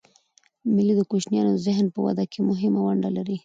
مېلې د کوچنيانو د ذهن په وده کښي مهمه ونډه لري.